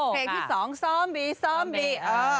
เพลงที่สองซอมบี้ซอมบี้